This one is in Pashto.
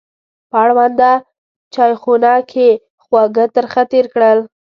په اړونده چایخونه کې خواږه ترخه تېر کړل.